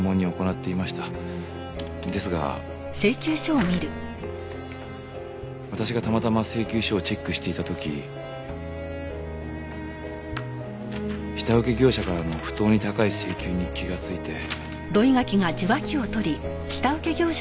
ですが私がたまたま請求書をチェックしていた時下請け業者からの不当に高い請求に気がついて。